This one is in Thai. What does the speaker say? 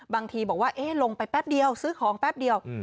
บางทีบอกว่าลงไปแป๊บเดียวซื้อของแป๊บเดียว